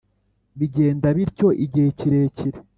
bigenda bityo igihe kirekire.